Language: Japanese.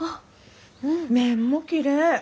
麺もきれい。